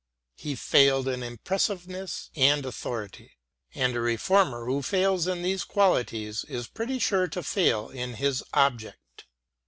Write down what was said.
He failed in impressiveness and authority. And a reformer who fails in these qualities is pretty sure to fail in his object.